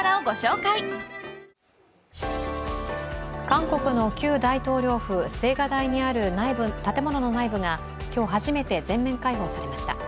韓国の旧大統領府・青瓦台にある建物の内部が今日、初めて全面開放されました。